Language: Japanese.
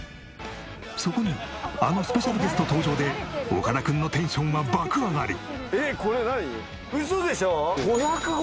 そこにあのスペシャルゲスト登場で岡田君のテンションは爆上がり。